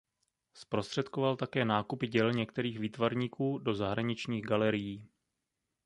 Zprostředkoval také nákupy děl některých výtvarníků do zahraničních galerií.